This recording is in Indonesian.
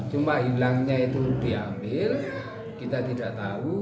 cuma hilangnya itu diambil kita tidak tahu